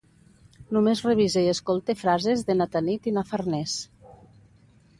Només revise i escolte frases de na Tanit i na Farners.